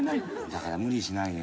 だから無理しないで。